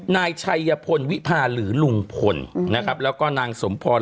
ในชัยโยภนวิพาหรือลุงพลนะครับแล้วก็นาง